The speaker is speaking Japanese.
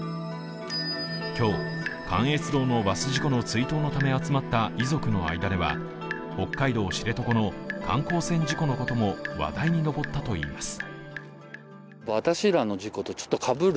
今日、関越道のバス事故の追悼のため集まった遺族の間では北海道知床の観光船事故のことも話題に上ったといいます。